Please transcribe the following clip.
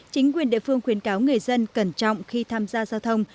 chính quyền địa phương khuyến cáo người dân cẩn trọng khi tham gia giao thông